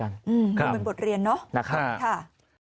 กันอืมมันบทเรียนเนอะนะค่ะค่ะ